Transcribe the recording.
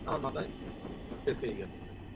ইংরেজ সম্রাটকে এড়িয়ে যাও।